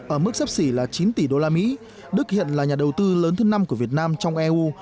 ở mức sấp xỉ là chín tỷ usd đức hiện là nhà đầu tư lớn thứ năm của việt nam trong eu